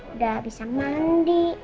udah bisa mandi